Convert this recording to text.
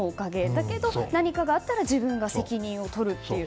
だけど、何かがあったら自分が責任を取るという。